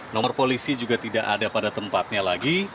nomor polisi juga tidak ada pada tempatnya lagi